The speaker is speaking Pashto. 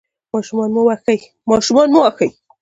ماشومان مه وهئ.